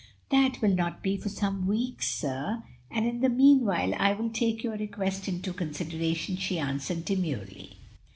"That will not be for some weeks, sir; and in the mean while I will take your request into consideration," she answered demurely.